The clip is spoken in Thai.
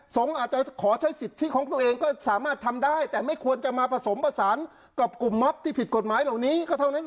อาจจะขอใช้สิทธิของตัวเองก็สามารถทำได้แต่ไม่ควรจะมาผสมผสานกับกลุ่มมอบที่ผิดกฎหมายเหล่านี้ก็เท่านั้น